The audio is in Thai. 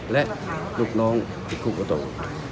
และลูกน้องผิดคุกก็ตก